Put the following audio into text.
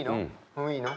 もういいの？